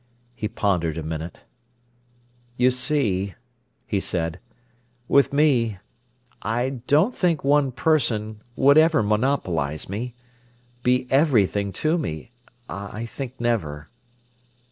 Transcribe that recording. He pondered a minute. "You see," he said, "with me—I don't think one person would ever monopolise me—be everything to me—I think never."